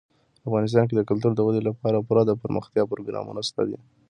افغانستان کې د کلتور د ودې لپاره پوره دپرمختیا پروګرامونه شته دي.